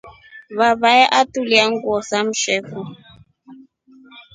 Vavae atulia nguo sa msheku.